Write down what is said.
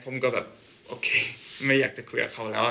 ผมก็แบบโอเคไม่อยากจะคุยกับเขาแล้ว